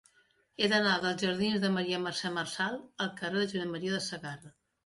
He d'anar dels jardins de Maria Mercè Marçal al carrer de Josep M. de Sagarra.